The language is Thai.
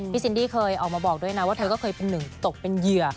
ซินดี้เคยออกมาบอกด้วยนะว่าเธอก็เคยเป็นหนึ่งตกเป็นเหยื่อ